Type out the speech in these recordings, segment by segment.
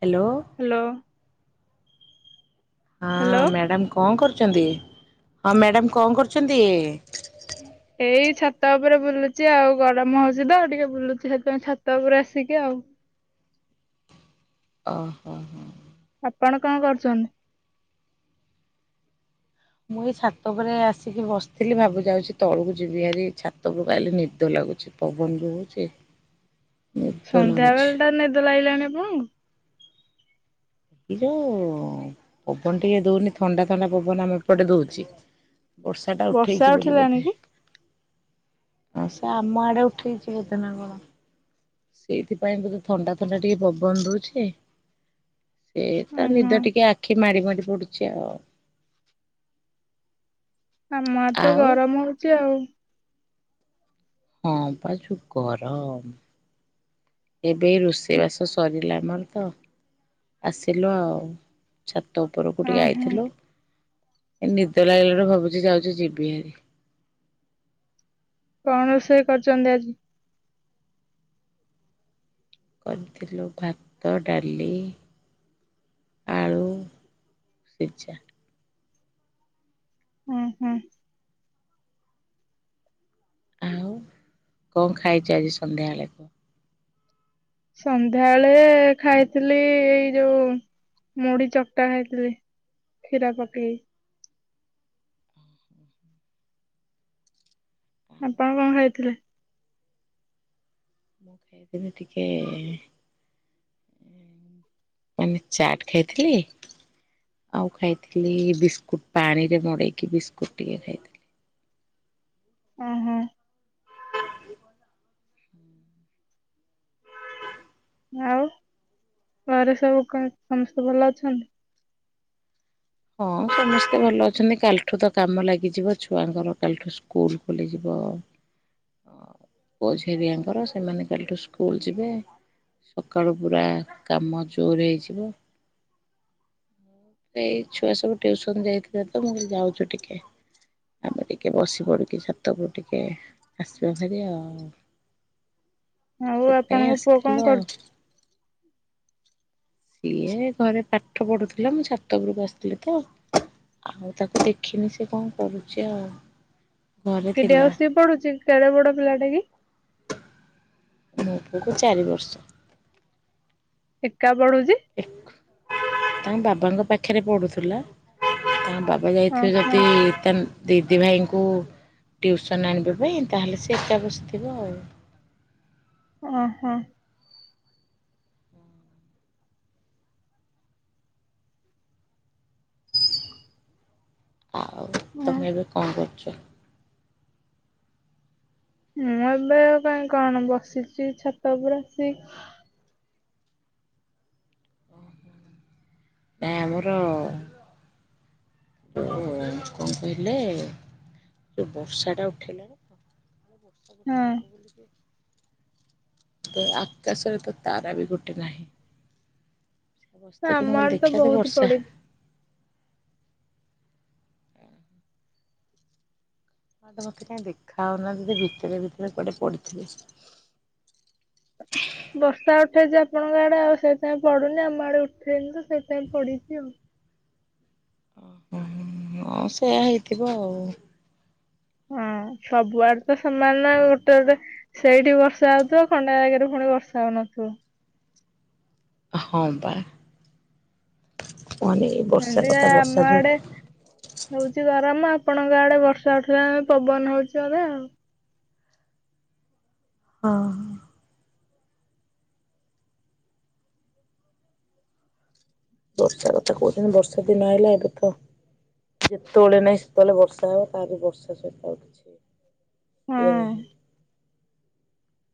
Hello. Hello ହଁ hello madam କଣ କରୁଛନ୍ତି ହଁ ମ୍ୟାଡାମ କଣ କରୁଛନ୍ତି? ଏଇ ଛାତ ଉପରେ ବୁଲୁଛି ଆଉ ଗରମ ହଉଛି ତ ଟିକେ ବୁଲୁଛି ସେଥିପାଇଁ ଛାତ ଉପରେ ଆସି ଶିକେ ଆଉ। ଓ ହୋ ହୋ, ଆପଣ କଣ କରୁଛନ୍ତି? ମୁଁ ଏଇ ଛାତ ଉପରେ ଆସିକି ବସିଥିଲି ଭାବୁ ଯାଉଛି ତଳକୁ ଯିବି ହାରି ଛାତ ଉପରୁ ଅଇଲେ ନିଦ ଲାଗ ଲାଗୁଛି ପବନ ଜଉ ହଉଚି, ସନ୍ଧ୍ୟା ବେଳ ଟା ନିଦ ଲାଗିଲାଣି ଆପଣଙ୍କୁ। ଏ ଯୋଉ ପବନ ଟିକେ ଦଉନି ଥଣ୍ଡା ଥଣ୍ଡା ପବନ ଆମେ ଏପଟେ ଦଉଚି। ବର୍ଷା ଟା ଉଠେଇଛି ବୋଲି ଉଠିଲାଣି ବୋଧେ। କି ସେ ଆମ ଆଡେ ଉଠେଇଛି ବୋଦେନା କଣ? ସେଇଥିପାଇଁ ତତେ ଥଣ୍ଡା ଥଣ୍ଡା ଟିକେ ପବନ ଦଉଛି। ସେ ତ ଓହୋ ନିଦ ଟିକେ ଆଖି ମାଡି ମାଡି ପଡୁଛି ଆଉ। ଆମଆଡେ ତ ଆଉ ଗରମ ହଉଛି ଆଉ। ହଁପା ଯଉ ଗରମ ଏବେ ରୋଷେଇ ବାସ ସରିଲାଣି। ଆମର ତ ଆସିଲୁ ଆଉ ଛାତ ଉପରକୁ ଟିକେ ଓହୋ ଆଇଥିଲୁ। ଏ ନିଦ ଲାଗିଲାରୁ ଭାବୁଛି ଯାଉଛି ଯିବି ହାରି। କଣ ରୋଷେଇ କରିଚନ୍ତି ଆଜି? କରିଥିଲୁ ଭାତ ଡାଲି ଆଳୁ ସିଜା। ହୁଁ ହୁଁ। ଆଉ କଣ ଖାଇଛୁ ଆଜି ସନ୍ଧ୍ୟାବେଳେ କୁ। ସନ୍ଧ୍ୟାବେଳେ ଖାଇଥିଲି ଏଇ ଯୋଉ ମୁଢ଼ି ଚକଟା ଖାଇଥିଲି କ୍ଷୀର ପକେଇ ଆପଣ କଣ ଖାଇଥିଲେ? ମୁଁ ଖାଇଥିନି ଟିକେ ଏଇନେ ଚାଟ ଖାଇଥିଲି। ଆଉ ଖାଇଥିଲି ବିସ୍କୁଟ ପାଣିରେ ମଡେଇକି ବିସ୍କୁଟ ଟିକେ ଖାଇଥିଲି। ଓ ହଁ। ହ [inaudible] ଆଉ। ଘରେ ସବୁ ସମସ୍ତେ ଭଲ ଅଛନ୍ତି? ହଁ ସମସ୍ତେ ଭଲ ଅଛନ୍ତି କାଲି ଠୁ ତ କାମ ଲାଗିଯିବ ଛୁଆଙ୍କର କାଲିଠୁ ସ୍କୁଲ ଖୋଲିଯିବ। ପୁଅ ଝିଅ ଦିଆଙ୍କର ସେମାନେ କାଲିଠୁ ସ୍କୁଲ ଯିବେ। ସକାଳୁ ପୁରା କାମ ଜୋର ହେଇଯିବ। ଏଇ ଛୁଆ ସବୁ ଟ୍ୟୁସନ ଯାଇଥିଲେ ତ ମୁଁ ଯାଉଛି ଟିକେ। ଆମେ ଟିକେ ବସି ପଡିକି ଛାତକୁ ଟିକେ ଆସିବା ଭାରି ଆଉ। ଆଉ ସେଥିପାଇଁ ଆପଣଙ୍କ ପୁଅ ଆସିଥିଲ କଣ କରୁଛି? ସିଏ ଘରେ ପାଠ ପଢୁଥିଲା ମୁଁ ଛାତ ଉପରକୁ ଆସିଥିଲି ତ। ଆଉ ତାକୁ ଦେଖିନି ସେ କଣ କରୁଛି ଆଉ ଘରେ ଏକିଟିଆ ଥିଲା ବସି ପଢୁଚି କେଡେ ବଡ ପିଲାଟେ କି? ମୋ ପୁଅକୁ ଚାରି ବର୍ଷ। ଏକା, ପଢୁଛି ତାଙ୍କ ବାବାଙ୍କ ପାଖରେ ପଡୁଥିଲା ତାଙ ବାବା ଯାଇଥିବେ ଓହୋ ଯଦି ତେନ ଦି ଦି ଭାଇଙ୍କୁ ଟ୍ୟୁସନ ଆଣିବାପାଇଁ ତାହେଲେ ସେ ଏକା ବସିଥିବ ଆଉ। ଓ ହୋ। ଆଉ ହଁ ତମେ ଏବେ କଣ କରୁଚ? ମୁଁ ଏବେ ଆଉ କାଇଁ କଣ ବସିଛି ଛାତ ଉପରୁ ଆସି। ଆମର କଣ କହିଲେ ଯୋଉ ବର୍ଷା ଟା ଉଠେଇଲାଣି ସବୁ ହଁ ତାପ ବିକ ତ ଆଖା ସର ତ ତାରା ବି ଗୋଟେ ନାହିଁ। ବସ୍ତରେ ମୁଁ ଆମ କହିଲି ଆଡେ ତ ଦେଖିବା ଦେ ବହୁତ ବର୍ଷା ପଡିଛି। ମଁ ତ ମତେ କାଇଁ ଦେଖା ହାଉନା ଦଦି ଭିତରେ ଭିତରେ କୁଆଡେ ପଡିଥିଲି ବର୍ଷା ଉଠେଇଛି ଆପଣଙ୍କ ଆଡେ, ଆଉ ସେଇଥିପାଇଁ ପଡୁନି ଆମ ଆଡେ ଉଠେଇନି ସେପାଇ ପଢିଛି ଆଉ। ଓ ହଁ ସେୟା ହେଇଥିବ ଆଉ। ହଁ। ସବୁଆଡେ ତ ସମାନ ଗୋଟେ ଗୋଟେ ସେଇଠି ବର୍ଷା ହଉଥିବ ଖଣ୍ଡା ଜାଗାରେ ପୁଣି ବର୍ଷା ହଉନଥିବ। ଆଛ। ହଁ ବା। କୁହନି ଏଇ ବର୍ଷା ସେମିତିଆ କଥା ବର୍ଷା ଆମ ଯୋଉ ଆଡେ ହଉଛି ଗରମ ଆପଣଙ୍କ ଆଡେ ବର୍ଷା ଉଠିଲମେ ପବନ ହଉଚ ଆ ଆଉ। ହଁ ହ। ବର୍ଷା କଥା କହୁଛନ୍ତି ବର୍ଷା ଦିନ ହେଲା ଏବେ ତ ଯେତେବେଳେ ନାହିଁ ସେତେବେଳେ ବର୍ଷା ହେବ ତାର ବର୍ଷା ସହିତ ଆଉ କିଛି ଇଏ ହଁ ନାହିଁ।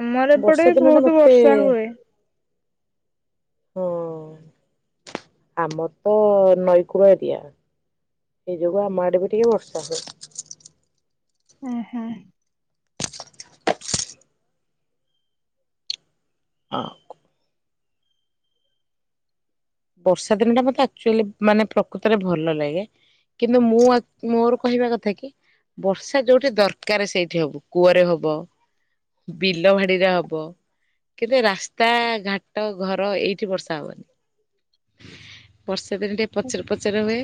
ଆମର ଏପଟେ ବର୍ଷା ଦିନ ଟା ବହୁତ ମତେ ବର୍ଷା ହୁଏ ହଁ ଆମର ତ ନଈକୂଳ ଏରିଆ ଏଇ ଯୋଗୁ ଆମ ଆଡେ ବି ଟିକେ ବର୍ଷା ହୁଏ। ହଁ ହୁଁ। ହ। ବର୍ଷା ଦିନ ଟା ମତେ ଆଚୁଆଲି ମାନେ ପ୍ରକୃତରେ ଭଲ ଲାଗେ କିନ୍ତୁ ମୁଁ ଆକଚ ମୋର କହିବା କଥା କି ବର୍ଷା ଯୋଉଠି ଦରକାର ସେଇଠି ହବ କୂଅରେ ହବ ବିଲ ଭାଡ଼ିରେ ହବ କେବେ ରାସ୍ତା ଘାଟ ଘର ଏଇଠି ବର୍ଷା ହବନି ବର୍ଷା ଦିନ ଟିକେ ପଚର ପଚରେ ହୁଏ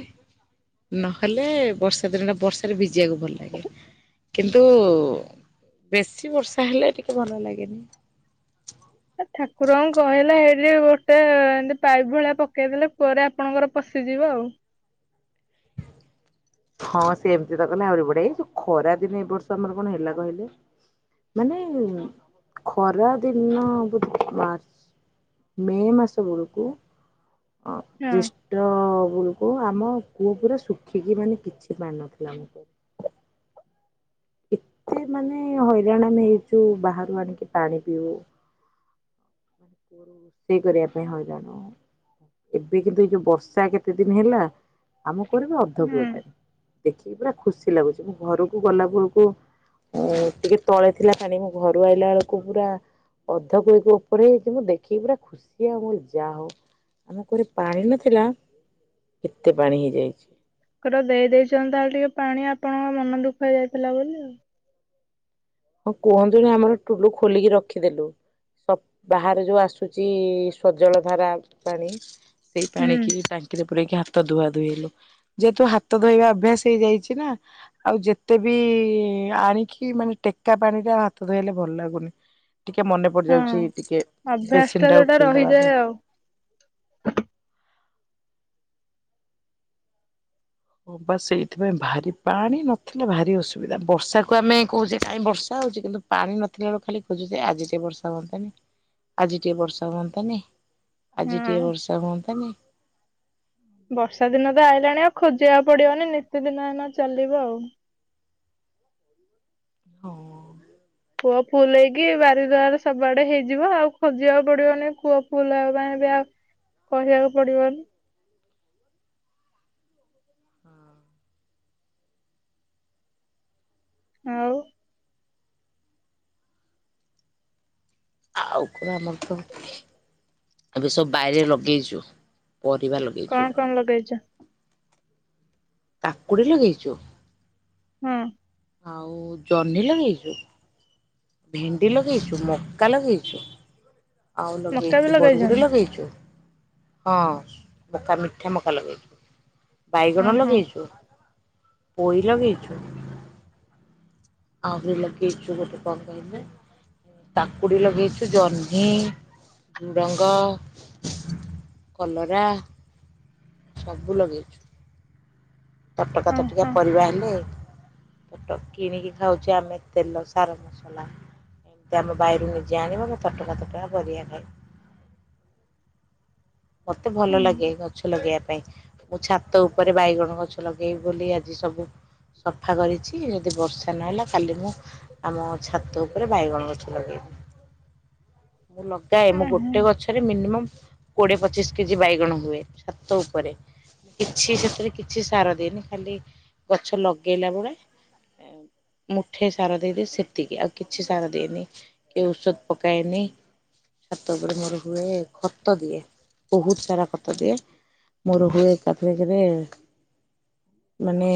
ନହେଲେ ବର୍ଷା ଦିନ ଟା ବର୍ଷାରେ ଭିଜିବାକୁ ଭଲ ଲାଗେ କିନ୍ତୁ ବେଶୀ ବର୍ଷା ହେଲେ ଟିକେ ଭଲ ଲାଗେନି ଠାକୁରଙ୍କୁ କହିଲା ହେଇଠି ଗୋଟେ ଏତି ପାଇପ୍ ଭଳିଆ ପକେଇଦେଲେ କୂଅରେ ଆପଣଙ୍କର ପଶି ସି ଯିବ ଆଉ। ହଁ ସେ ଏମତି ତ କଲେ ଆହୁରି ବଢ଼ିଆ ଏଇ ଯୋଉ ଖରା ଦିନ ଏଇ ବର୍ଷ ଆମର କଣ ହେଲା କହିଲେ ମାନ ଖରା ଦିନ ବୋଧ ମାର୍ଚ୍ଚ ମେ ମାସ ବଳକୁ ଅ ହଁ ଜେଷ୍ଠ ଳକୁ ଆମ କୂଅ ପୁରା ଶୁଖିକି ମାନେ କିଛି ପାଣି ନଥିଲା ଆମ କୂଅ ଏତେ ମାନେ ହଇରାଣ ଆମେ ହେଇଛୁ ବାହାରୁ ଆଣିକି ପାଣି ପିଇବୁ ରୋ ରୋଷେଇ କରିବା ପାଇଁ ହଇରାଣ ଏବେ କିନ୍ତୁ ଏଇ ଯୋଉ ବର୍ଷା କେତେ ଦିନ ହେଲା ଆମକୁ କୂଅରେ ଏବେ ଅଧ କୁଏ ହୁଁ ପାଣି ଦେଖିକି ପୁରା ଖୁସି ଲାଗୁଛି ମୁଁ ଘରକୁ ଗଲା ବେଳ ଟିକେ ତଳେ ଥିଲା ପାଣି ମୁଁ ଘରୁ ଆଇଲା ବେଳକୁ ପୁରା ଅଧ କୋଇ ଉପରେ ହେଇ ମୁଁ ଦେଖିକି ପୁରା ଖୁସି ଆଉ ଯାହା ହଉ ଆମ ଘରେ ପାଣି ନଥିଲା କେତେ ପାଣି ହେଇଯାଇଛି ର ଦେଇ ଦେଇଚନ୍ତି ତାହେଲେ ଟିକେ ପାଣି ଆପଣଙ୍କ ମନ ଦୁଃଖ ହେଇଯାଇଥିଲା ବୋଲି ଆଉ। ହଁ କୁହନ୍ତୁନି, ଆମର ଟୁଲୁ ଖୋଲିକି ରଖିଦେଲୁ ସ ବାହାରେ ଯୋଉ ଆସୁଛି ସ୍ୱଜଳ ଧାରା ପାଣି ସେଇ ହୁଁ ପାଣି କି ଟାଙ୍କିରେ ପୁ ପୁରେଇ କିି ହାତ ଧୁଆ ଧୋଇଲୁ ଯେହେତୁ ହାତ ଧୋଇବା ଅଭ୍ୟାସ ହେଇଯାଇଛି ନା ଆଉ ଯେତେ ବି ଇ ଆଣିକି ମାନେ ଟେକା ପାଣିରେ ଆ ହାତ ଧୋଇହେଲେ ଭଲ ଲାଗୁନି। ଟିକେ ମନେ ପଡି ହଁ ଯାଉଛି ଟିକେ ଅଭ୍ୟାସ ଟା ବେସିନ୍ ଟାକୁ ଯୋଉଟା ଖୋଲିଦବା ରହିଯାଏ ଏବେ ଆଉ ହଁ ବା ସେଇଥିପାଇଁ ଭାରି ପାଣି ନଥିଲେ ଭାରି ଅସୁବିଧା ବର୍ଷାକୁ ଆମେ କହୁଛେ କାଇ ବର୍ଷା ହଉଚି କିନ୍ତୁ ପାଣି ନଥିଲା ବେଳକୁ ଖାଲି ଖୋଜୁଛି ଆଜି ଟେ ବର୍ଷା ହୁଅନ୍ତାନି। ଆଜି ଟିକେ ବର୍ଷା ହୁଅନ୍ତାନି ଆଜି ହଁ। ଟିକେ ବର୍ଷା ହୁଅନ୍ତାନି। ବର୍ଷା ଦିନ ତ ଆଇଲାଣି ଆଉ ଖୋଜିବାକୁ ପଡିବନି ନିତିଦିନ ଏନା ଚାଲିବ ଆଉ ହଁ। କୂଅ ଫୁଲ ହେଇକି ବାରି ଦୁଆର ସବୁଆଡେ ହେଇଯିବ ଆଉ ଖୋଜିବାକୁ ପଡିବନି କୂଅ ଫୁଲ ହେବା ପାଇଁ କହିବାକୁ ପଡିବନି। ଆଉ ଆଉ କଣ ଆମର ତ ଏବେ ସବୁ ବାଇରେ ଲଗେଇଚୁ ପରିବା କଣ ଲଗେଇଚୁ କଣ ଲଗେଇଛ? କାକୁଡି ଲଗେଇଚୁ ହୁଁ। ଆଉ ଜହ୍ନି ଲଗେଇଚୁ ଭେଣ୍ଡି ଲଗେଇଚୁ ମକା ଲଗେଇଚୁ ଆଉ ମକା ଲଗେଇଚୁ ବି ବରଗୁଡି ଲଗେଇଛନ୍ତି? ଲଗେଇଚୁ ହଁ ମକା ମିଠା ମକା ଲଗେଇଚୁ ହଁ ବାଇଗଣ ହଁ ଲଗେଇଚୁ ପୋଇ ଲଗେଇଚୁ ଆହୁରି ଲଗେଇଚୁ କନ କହିଲେ? କାକୁଡି ଲଗେଇଚୁ ଜହ୍ନି ଝୁଡ଼ଙ୍ଗ କଲରା ସବୁ ଲଗେଇଚୁ ତଟକା ହଁ ତଟିକା ହଁ ପରିବା ହେଲେ ପେଟ କିଣିକି ଖାଉଚେ ଆମେ ତେଲ ସାର ମସଲା ଏମିତି ଆମ ବାଇରୁ ନିଜେ ଆଣିବ ତଟକା ତଟକା ପାରିବା ଖାଇବ। [inaudible] ମତେ ଭଲ ହଁ ଲାଗେ ଗଛ ଲଗେଇବା ପାଇଁ ମୁଁ ଛାତ ଉପରେ ବାଇଗଣ ଗଛ ଲଗେଇ ବୋଲି ଆଜି ସବୁ ସଫା କରିଛି ଯଦି ବର୍ଷା ନହେଲା କାଲି ମୁଁ ଆମ ଛାତ ଉପରେ ବାଇଗଣ ଗଛ ଲଗେଇବି। [inaudible] ମୁଁ ଲଗାଏ ମୁଁ ହଁ ଗୋଟେ ହଁ ଗଛରେ ମିନିମମ୍ କୋଡିଏ ପଚିଶ କେଜି ବାଇଗଣ ହୁଏ ଛାତ ଉପରେ କିଛି ସେଥିରେ କିଛି ସାର ଦେଇନି ଖାଲି ଗଛ ଲଗେଇଲାବେଳେ [inaudible] ମୁଠେ ସାର ଦେଇଦିଏ ସେତିକି ଆଉ କିଛି ସାର ଦିଏନି କି ଔଷଧ ପକାଏନି ଛାତ ଉପରେ ମୋର ହୁଏ ଖତ ଦିଏ ବହୁତୁ ସାରା ଖତ ଦିଏ। ମୋର ହୁଏ ଏକାଥରକରେ ମାନେ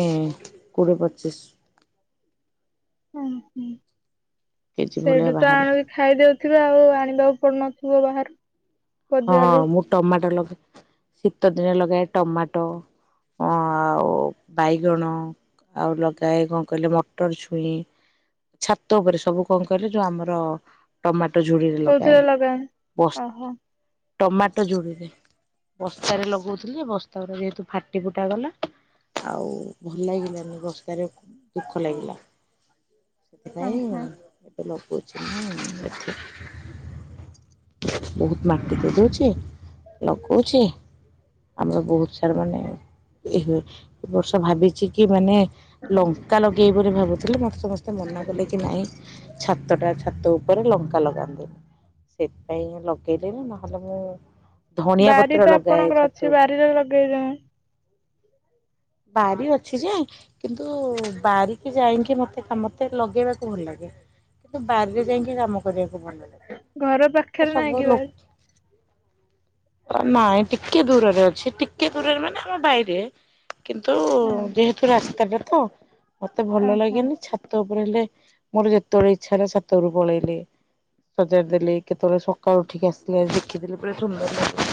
କୋଡିଏ ପଚିଶୀ ହୁଁ ହୁଁ କେଜି ଭଳିଆ ସେଇଠୁ ତ ବାହାରେ। ଆଣବି ଖାଇଦଉଥିବ ଆଉ ଆଣିବାକୁ ପଡୁନ ଗୋବାହାରୁ ହଁ ମୁଁ ଟମାଟୋ ଲଗା ଶୀତ ଦିନେ ଲଗାଏ ଟମାଟୋ ଅ ଆଉ ବାଇଗଣ ଆଉ ଲଗାଏ କଣ କହିଲେ ମଟର ଛୁଇଁ ଛାତ ଉପରେ ସବୁ କଣ କହିଲେ ଯୋଉ ଆମର ଟମା ପଟ ଝୁଡ଼ିରେ କୋଉଥିରେ ଲଗାଏ ଲଗାନ୍ତି? ବସ୍ ଓହୋ ଟମାଟୋ ଯୁଡିରେ ବସ୍ତାରେ ଲଗଉଥିଲେ ବସ୍ତା ଯେହେତୁ ଫାଟି ଫୁଟା ଗଲା ଆଉ ଭଲ ଲାଗିଲାନି ବସ୍ତାରେ ଦୁଃଖ ଲାଗିଲା। ହଁ ହଁ ସେଥିପାଇଁ ଏ [unintelligible] ବହୁତ ମାଟି ଦେଇ ଦଉଚି ଲଗଉଚି ଆମର ବହୁତ ସାରା ମାନେ ଇ ହ ଏ ବର୍ଷ ଭାବିଛି କି ମାନେ ଲଙ୍କା ଲଗେଇ ବୋଲି ଭାବୁଥିଲେ ମତେ ସମସ୍ତେ ମନା କଲେ କି ନାଇଁ ଛାତ ଟା ଛାତ ଉପରେ ଲ ଲଙ୍କା ଲଗାନ୍ତିି ସେଥିପାଇଁ ଲଗେଇଲିନି ନହେଲେ ମୁଁ ଧଣିଆ ବାରି ପତ୍ର ତ ଲଗାଏ ଆପଣଙ୍କର ଅଛି ଛାତ ଉପରେ ବାରିରେ ଲଗେଇଛ ବାରି ଅଛି ଯେ କିନ୍ତୁ ବାରିକି ଯାଇକି ମତେ ମତେ ଲଗେଇବାକୁ ଭଲ ଲାଗେ। କିନ୍ତୁ ବାରିରେ ଯାଇକି କାମ କରିବାକୁ ଭଲ ଘର ଲାଗେ। ପାଖରେ ନାହିଁ ସବୁ କି ବାରି? ଲୋକ। ନାଇଁ ଟିକେ ଦୂରରେ ଅଛି ଟିକେ ଦୂରରେ ମାନେ ଆମ ବାଇରେ। କିନ୍ତୁ ହଁ ଯେହେତୁ ରାସ୍ତାଟା ତ ମୋତେ ଭଲ ଓହୋ ଲାଗେନି ଛାତ ଉପ ରେଲେ ମୋର ଯେତେବେଳେ ଇଚ୍ଛା ହେଲା ଛାତ ଉପରକୁ ପଳେଇଲି। ସଜାଡିଦେଲି କେତେବେଳେ ସକାଳୁ ଉଠିକି ଆସିଲେ ଦେଖିଦେଲି ପୁରା ସୁନ୍ଦର ଲାଗେ।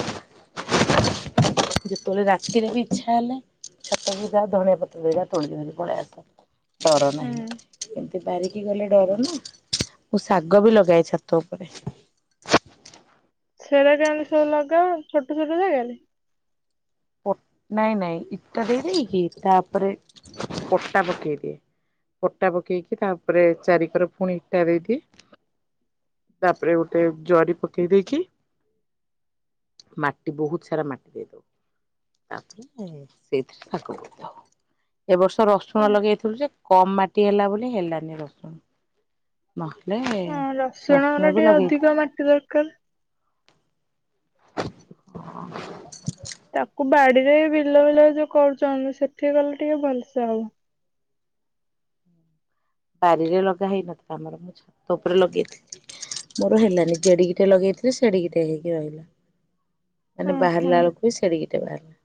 ଯେତେବେଳେ ରାତିରେ ବି ଇଚ୍ଛା ହେଲେ। ଛାତ ଉପରକୁ ଯାଏ ଧନଆ ପତ୍ର ଦିଟା ତୋଳିକି ଧରି ପଳେଇ ଆସେ ଡର ହୁଁ। ନାହିଁ। ବାରିକି ଗଲେ ଡର ନା ମୁଁ ଶାଗ ବି ଲଗାଏ ଛାତ ଉପରେ। ସେରା କେମିତି ସବୁ ଲଗାଅ ଛୋଟ ଛୋଟ ଜାଗାରେ? ପ ନାଇଁ ନାଇଁ ଇଟା ଦେଇଦେଇକି ତାପରେ ପଟା ପକେଇଦିଏ। ପଟା ପକେଇକି ତାପରେ ଚାରିିକର ପୁଣି ଇଟା ଦେଇଦିଏ। ତାପରେ ଗୋଟେ ଜରି ପକେଇ ଦେଇକି। ମାଟି ବହୁତ ସାରା ମାଟି ଦେଇ ତାପରେ ସେଇଥିରେ ତାକୁ ପୋତି ଦଉ। ଏ ବର୍ଷ ହଁ ରସୁଣ ଲଗେଇଥିଲୁ ଯେ କମ ମାଟି ହେଲା ବୋଲି ହେଲାନି ରସୁଣ। ନହେଲେ ହଁ ରସୁଣର ରସୁଣ ବି ଟିକେ ଅଧିକ ଲଗେଇଥିଲୁ। ମାଟି ଦରକାର। ଓ। ତାକୁ ବାଡିରେ ବିଲ ବିଲ ଯୋଉ କରୁଛନ୍ତି ସେଠି ଗଲେ ଟିକେ ଭଲସେ ହବ। ବାରିରେ ଲଗା ହେଇନଥିଲା ଆମର କିଛି। ଉପରେ ଲଗେଇଥିଲି ମୋର ହେଲାନି ଯେଡିିକିଟେ ଲଗେଇ। ଏଥିରେ ସେଡିକିଟାଏ ହେଇକି ରହିବ। [inaudible] ମାନେ ହଁ ହଁ ବାହାରିଲା ବେଳକୁ ବି ସେଡିକିଟେ ବାହାରିଲା।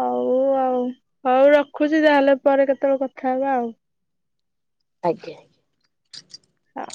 ହଉ ଆଉ ହଉ ରଖୁଛି ତାହେଲେ ପରେ କେତେବେଳେ କଥା ହେବା ଆଉ। ଆଜ୍ଞା। ହଁ।